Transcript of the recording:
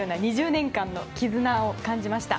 ２０年間の絆を感じました。